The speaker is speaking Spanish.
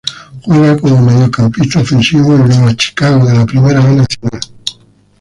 Juega como mediocampista ofensivo en Nueva Chicago de la Primera B Nacional.